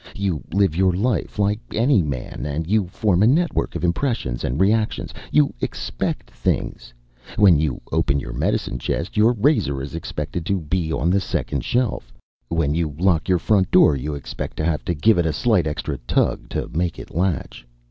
You live your life, like any man, and you form a network of impressions and reactions. You expect things. When you open your medicine chest, your razor is expected to be on the second shelf; when you lock your front door, you expect to have to give it a slight extra tug to make it latch.